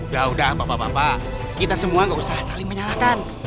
ya udah pak pak pak kita semua nggak usah saling menyalahkan